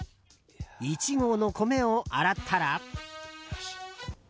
１合の米を洗ったら。